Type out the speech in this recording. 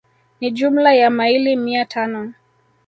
Ni jumla ya maili mia tano